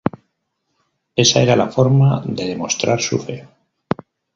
Esa era la forma de demostrar su fe.